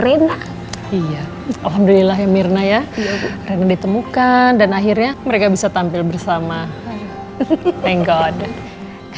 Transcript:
rina iya alhamdulillah ya mirna ya ditemukan dan akhirnya mereka bisa tampil bersama menggoda